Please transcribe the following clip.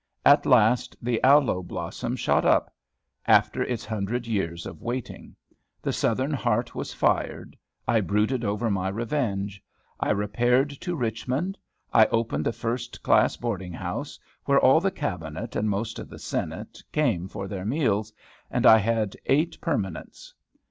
At last the aloe blossom shot up, after its hundred years of waiting. The Southern heart was fired. I brooded over my revenge. I repaired to Richmond. I opened a first class boarding house, where all the Cabinet, and most of the Senate, came for their meals; and I had eight permanents.